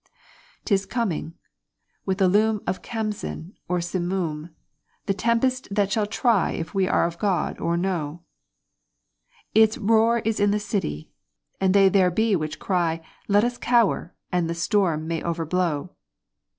'Tis coming, with the loom of Khamsin or Simoom, The tempest that shall try if we are of God or no Its roar is in the sky, and they there be which cry, "Let us cower, and the storm may over blow."